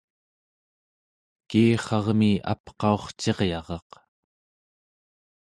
kiirrarmi apqaurciryaraq